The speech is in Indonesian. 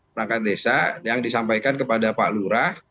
perangkat desa yang disampaikan kepada pak lurah